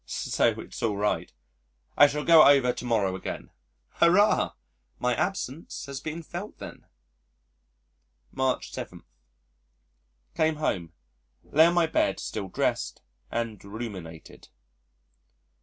So it's all right. I shall go over to morrow again Hurrah! My absence has been felt then. March 7. Came home, lay on my bed, still dressed, and ruminated....